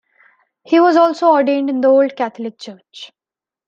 He was also ordained in the Old Catholic Church.